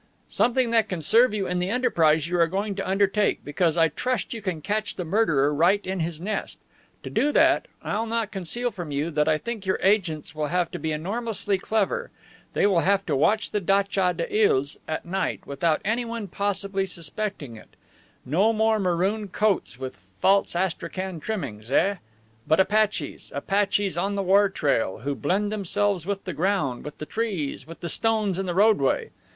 "Something that can serve you in the enterprise you are going to undertake, because I trust you can catch the murderer right in his nest. To do that, I'll not conceal from you that I think your agents will have to be enormously clever. They will have to watch the datcha des Iles at night, without anyone possibly suspecting it. No more maroon coats with false astrakhan trimmings, eh? But Apaches, Apaches on the wartrail, who blend themselves with the ground, with the trees, with the stones in the roadway.